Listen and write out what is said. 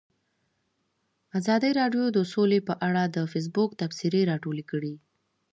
ازادي راډیو د سوله په اړه د فیسبوک تبصرې راټولې کړي.